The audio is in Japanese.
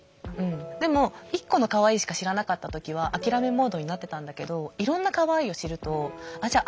でも１個のかわいいしか知らなかった時は諦めモードになってたんだけどいろんなかわいいを知るとじゃあ